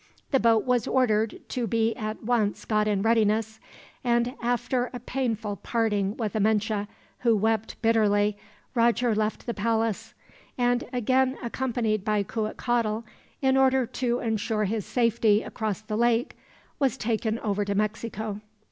The boat was ordered to be at once got in readiness; and after a painful parting with Amenche, who wept bitterly, Roger left the palace; and again accompanied by Cuitcatl, in order to ensure his safety across the lake, was taken over to Mexico.